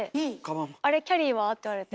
「あれキャリーは？」って言われて